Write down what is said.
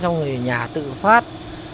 nhà tự phát